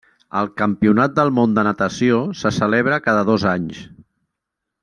El Campionat del Món de natació se celebra cada dos anys.